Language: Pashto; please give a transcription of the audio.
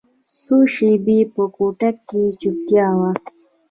څو شېبې په کوټه کښې چوپتيا وه.